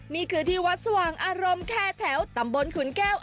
นี่คือที่วัดสว่างอารมณ์แค่แถวตำบลขุนแก้ว